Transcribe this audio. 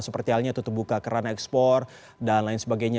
seperti halnya tutup buka kerana ekspor dan lain sebagainya